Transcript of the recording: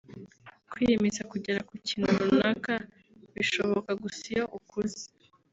kwiyemeza kugeraku kintu runaka bishoboka gusa iyo ukuze